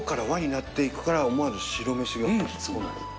そうなんです。